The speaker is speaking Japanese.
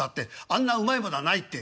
あんなうまいものはないって」。